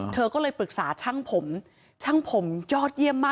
เธอก็เลยปรึกษาช่างผมช่างผมยอดเยี่ยมมาก